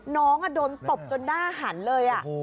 น้องโดนตบจนหน้าหันเลย